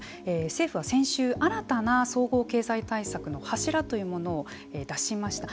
政府は先週新たな総合経済対策の柱というものを出しました。